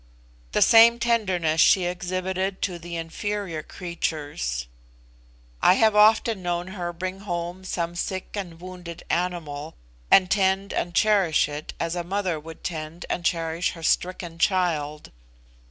The same tenderness she exhibited to the inferior creatures. I have often known her bring home some sick and wounded animal, and tend and cherish it as a mother would tend and cherish her stricken child.